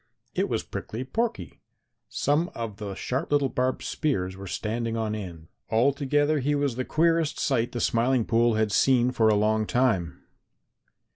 It was Prickly Porky. Some of the sharp little barbed spears were standing on end; altogether he was the queerest sight the Smiling Pool had seen for a long time.